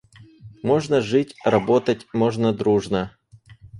Можно жить, работать можно дружно.